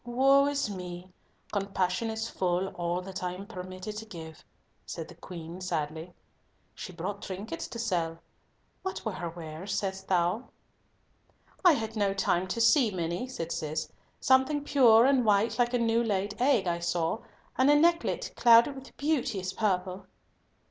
"Woe is me, compassion is full all that I am permitted to give," said the Queen, sadly; "she brought trinkets to sell. What were her wares, saidst thou?" "I had no time to see many," said Cis, "something pure and white like a new laid egg, I saw, and a necklet, clouded with beauteous purple."